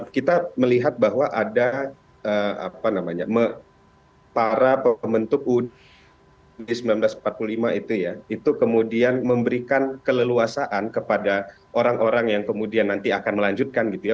kita melihat bahwa ada apa namanya para pembentuk uu seribu sembilan ratus empat puluh lima itu ya itu kemudian memberikan keleluasaan kepada orang orang yang kemudian nanti akan melanjutkan gitu ya